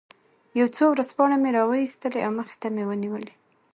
یو څو ورځپاڼې مې را وویستلې او مخې ته مې ونیولې.